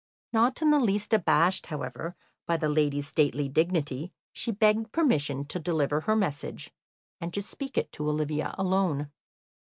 Not in the least abashed, however, by that lady's stately dignity, she begged permission to deliver her message, and to speak it to Olivia alone.